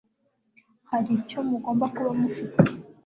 hari icyo mugomba kuba mufite